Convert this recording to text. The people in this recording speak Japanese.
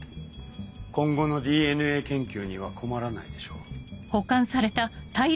今後のＤＮＡ研究には困らないでしょう。